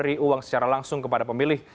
karena memberi uang secara langsung kepada pemilih